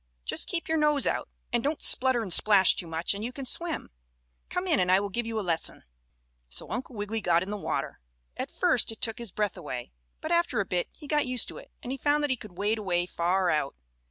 Just keep your nose out, and don't splutter and splash too much and you can swim. Come in and I will give you a lesson." So Uncle Wiggily got in the water. At first it took his breath away, but after a bit he got used to it, and he found that he could wade away far out.